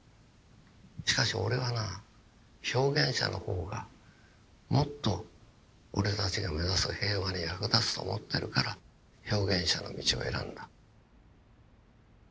しかし俺はな表現者の方がもっと俺たちが目指す平和に役立つと思ってるから表現者の道を選んだ」。